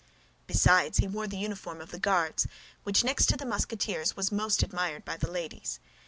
Besides, he wore the uniform of the Guards, which, next to that of the Musketeers, was most admired by the ladies.